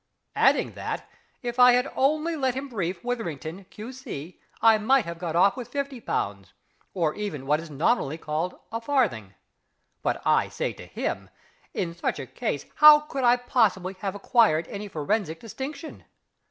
Adding that, if I had only let him brief WITHERINGTON, Q.C., I might have got off with £50, or even what is nominally called a farthing. But I say to him, in such a case how could I possibly have acquired any forensic distinction?